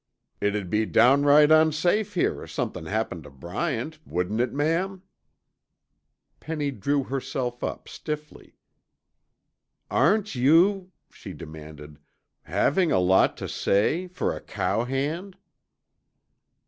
"It'd be downright unsafe here if somethin' happened tuh Bryant, wouldn't it, ma'am?" Penny drew herself up stiffly. "Aren't you," she demanded, "having a lot to say for a cowhand?"